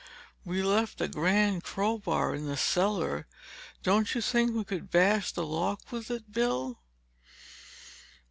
"We left a grand crowbar in the cellar! Don't you think we could bash the lock with it, Bill?"